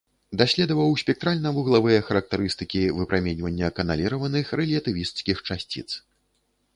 Даследаваў спектральна-вуглавыя характарыстыкі выпраменьвання каналіраваных рэлятывісцкіх часціц.